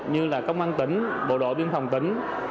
như là công an tỉnh bộ đội biên phòng tỉnh